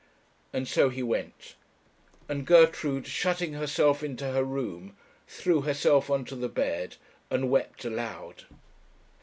And so he went, and Gertrude shutting herself into her room threw herself on to the bed, and wept aloud.